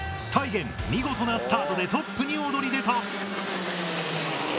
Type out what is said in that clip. げん見事なスタートでトップに躍り出た。